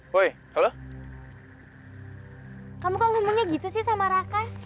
woi halo hai kamu temunya gitu sih sama raka